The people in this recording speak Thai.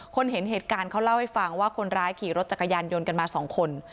เห็นเหตุการณ์เขาเล่าให้ฟังว่าคนร้ายขี่รถจักรยานยนต์กันมาสองคน